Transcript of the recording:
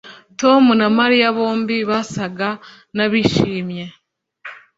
Tom na Mariya bombi basaga nabishimye